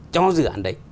cho dự án đấy